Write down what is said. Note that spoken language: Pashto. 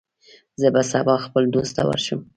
زه به سبا خپل دوست ته ورشم.